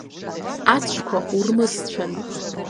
Ацәқәа урмысцәан.